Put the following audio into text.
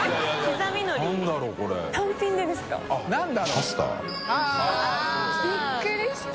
◆舛叩びっくりした。